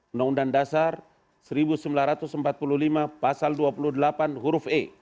undang undang dasar seribu sembilan ratus empat puluh lima pasal dua puluh delapan huruf e